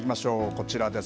こちらです。